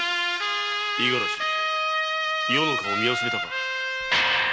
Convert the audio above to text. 五十嵐余の顔を見忘れたか！